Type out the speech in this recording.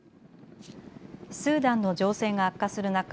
スーダンの情勢が悪化する中